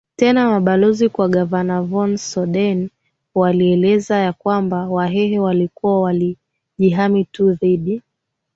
tena mabalozi kwa gavana von Soden walioeleza ya kwamba Wahehe walikuwa walijihami tu dhidi